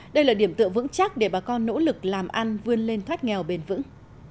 đây là điểm tựa vững chắc để bà con nỗ lực làm ăn vươn lên thoát nghèo bền vững